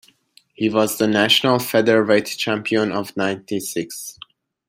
He was the national featherweight champion of ninety-six.